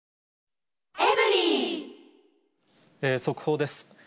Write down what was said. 速報です。